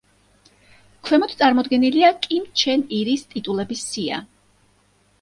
ქვემოთ წარმოდგენილია კიმ ჩენ ირის ტიტულების სია.